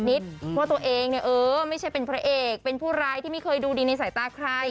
ว่าตัวเองเนี่ยเออไม่ใช่เป็นพระเอกเป็นผู้ร้ายที่ไม่เคยดูดีในสายตาใคร